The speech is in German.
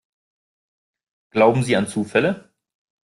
Glauben Sie an Zufälle?